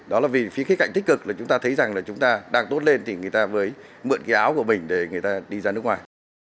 đó là vì phía cái cạnh tích cực là chúng ta thấy rằng là chúng ta đang tốt lên thì người ta mới mượn cái áo của mình để người ta đi ra nước ngoài